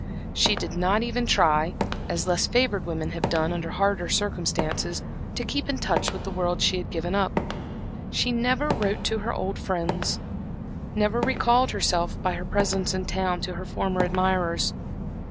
She did not even try, as less favored women have done under harder circumstances, to keep in touch with the world she had given up. She never wrote to her old friends, never recalled herself, by her presence in town, to her former admirers.